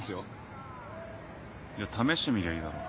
じゃあ試してみりゃいいだろ。